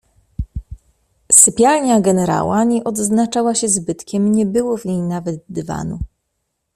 "Sypialnia generała nie odznaczała się zbytkiem; nie było w niej nawet dywanu."